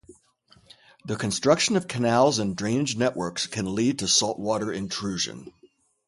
The construction of canals and drainage networks can lead to saltwater intrusion.